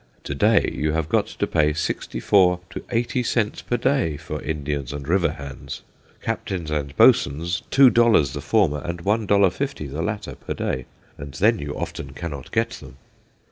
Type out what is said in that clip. To day you have got to pay sixty four to eighty cents per day for Indians and river hands. Captains and boatswains, $2 the former, and $1:50 the latter per day, and then you often cannot get them.